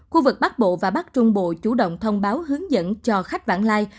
khu vực bắc bộ và bắc trung bộ chủ động thông báo hướng dẫn cho khách vãng lai